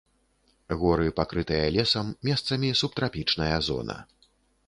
Горы, пакрытыя лесам, месцамі субтрапічная зона.